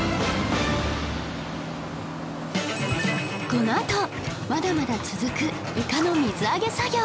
このあとまだまだ続くイカの水揚げ作業